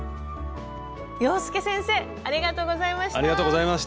洋輔先生ありがとうございました。